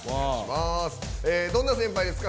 どんな先輩ですか？